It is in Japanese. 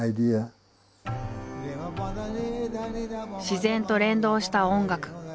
自然と連動した音楽。